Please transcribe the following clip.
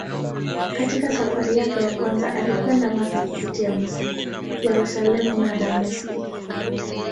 Katika safari yake ya kwanza alikwenda Makka kupitia Misri, Yerusalemu na Dameski.